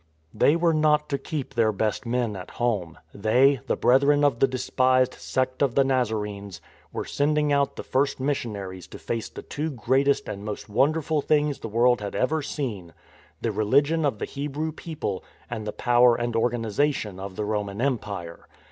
They were not to keep their best men at home. They, the Brethren of the despised sect of the Naz arenes, were sending out the first missionaries to face the two greatest and most wonderful things the world had ever seen, — the religion of the Hebrew people and the power and organization of the Roman Empire.